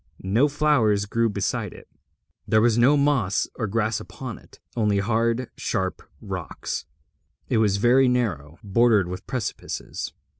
No flowers grew beside it, there was no moss or grass upon it, only hard sharp rocks. It was very narrow, bordered with precipices.